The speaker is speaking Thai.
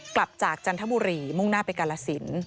กลับจากจันทบุรีมุ่งหน้าไปกาลสิน